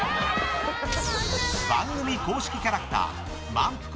番組公式キャラクターまんぷく